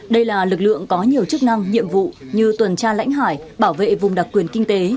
đây là lực lượng có nhiều chức năng nhiệm vụ như tuần tra lãnh hải bảo vệ vùng đặc quyền kinh tế